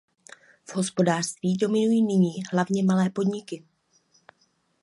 V hospodářství dominují nyní hlavně malé podniky.